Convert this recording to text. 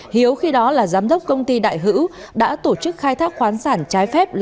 hiếu khi đó là giám đốc công ty đại hữu đã tổ chức khai thác khoán sản trái phép